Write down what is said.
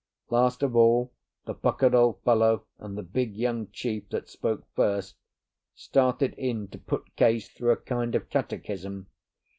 Last of all, the puckered old fellow and the big young chief that spoke first started in to put Case through a kind of catechism.